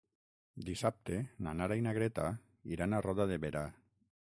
Dissabte na Nara i na Greta iran a Roda de Berà.